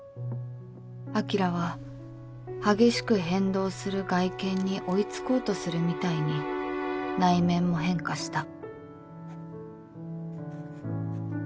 晶は激しく変動する外見に追い付こうとするみたいに内面も変化した